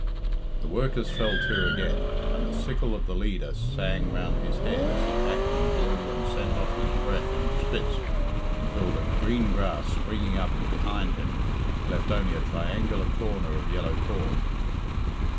The workers fell to again, and the sickle of the leader sang round his head as he hacked and blew and sent off his breath in spits until the green grass springing up behind him left only a triangular corner of yellow corn.